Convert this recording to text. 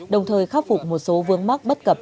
đồng thời khắc phục một số vướng mắc bất cập